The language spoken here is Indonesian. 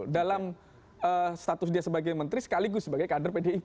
dalam status dia sebagai menteri sekaligus sebagai kader pdi